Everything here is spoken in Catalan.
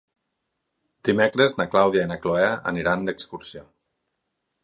Dimecres na Clàudia i na Cloè aniran d'excursió.